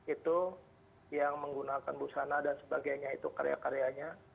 itu yang menggunakan busana dan sebagainya itu karya karyanya